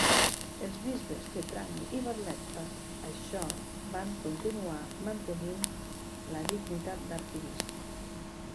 Els bisbes de Trani i Barletta això van continuar mantenint la dignitat d'arquebisbe.